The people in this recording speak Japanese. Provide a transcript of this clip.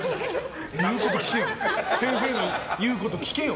先生の言うこと聞けよ。